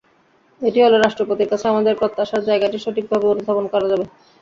এটি হলে রাষ্ট্রপতির কাছে আমাদের প্রত্যাশার জায়গাটি সঠিকভাবে অনুধাবন করা যাবে।